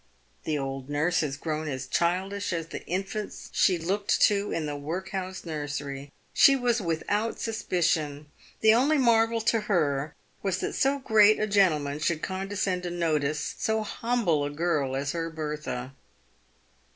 The old nurse had grown as childish as the infants she looked to in the workhouse nursery. She was without suspicion. The only marvel to her was that so great a gentleman should condescend to notice so humble a girl as her Bertha.